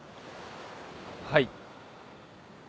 はい。